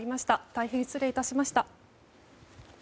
大変失礼いたしました。